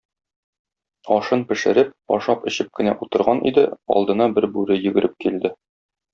Ашын пешереп, ашап-эчеп кенә утырган иде, алдына бер бүре йөгереп килде.